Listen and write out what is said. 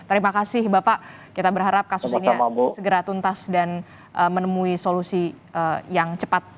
terima kasih bapak kita berharap kasus ini segera tuntas dan menemui solusi yang cepat